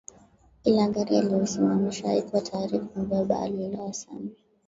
Kila gari aliyoisimamisha haikuwa tayari kumbeba aliloa sana